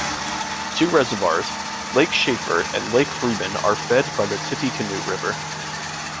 Two reservoirs, Lake Shafer and Lake Freeman, are fed by the Tippecanoe River.